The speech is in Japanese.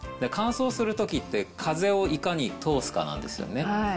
乾燥するときって、風をいかに通すかなんですよね。